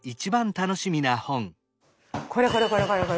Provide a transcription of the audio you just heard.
これこれこれこれ。